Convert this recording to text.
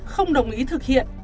không đồng ý thực hiện